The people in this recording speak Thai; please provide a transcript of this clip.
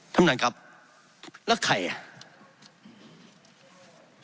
ท่านท่านครับแล้วใคร